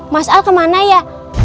mas al kemana ya